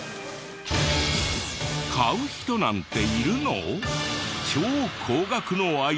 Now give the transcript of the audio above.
買う人なんているの？